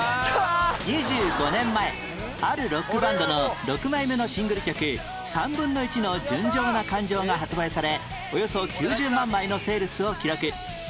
２５年前あるロックバンドの６枚目のシングル曲『１／３ の純情な感情』が発売されおよそ９０万枚のセールスを記録